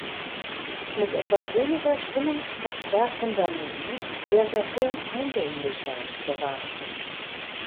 Mit etwas weniger stimmungsverstärkender Musik wäre der Film eindringlicher geraten.